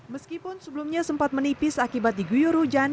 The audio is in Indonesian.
meskipun sebelumnya sempat menipis akibat diguyur hujan